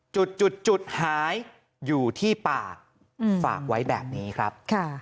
จุดหายอยู่ที่ปากฝากไว้แบบนี้ครับ